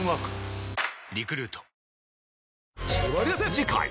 次回！